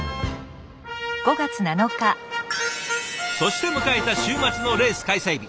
そして迎えた週末のレース開催日。